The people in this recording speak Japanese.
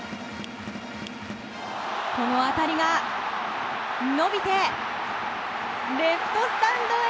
この当たりが伸びてレフトスタンドへ。